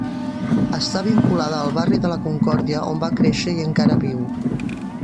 Està vinculada al barri de la Concòrdia, on va créixer i encara viu.